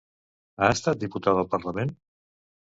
Ha estat diputada al Parlament?